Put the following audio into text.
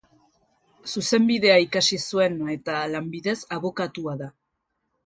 Zuzenbidea ikasi zuen eta, lanbidez, abokatua da.